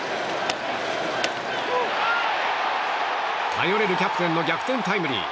頼れるキャプテンの逆転タイムリー。